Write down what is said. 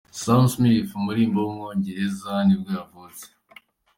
Sam Smith, umuririmbyi w’umwongereza nibwo yavutse.